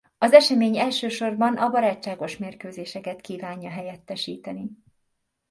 Az esemény elsősorban a barátságos mérkőzéseket kívánja helyettesíteni.